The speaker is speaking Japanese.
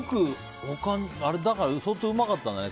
相当うまかったんだね。